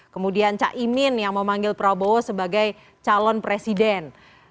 kemudian cak imin yang memanggil prabowo sebagai calon presiden